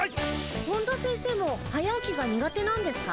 本田先生も早起きが苦手なんですか？